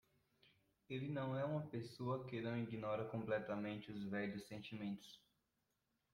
Ele não é uma pessoa que não ignora completamente os velhos sentimentos.